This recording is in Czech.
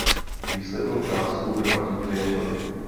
Výslednou částku vyplatí klientovi.